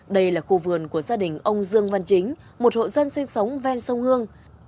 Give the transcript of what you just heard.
đây là khu vườn của gia đình ông dương văn chính một hộ dân sinh sống ven sông hương